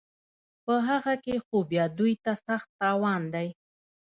په هغه کې خو بیا دوی ته سخت تاوان دی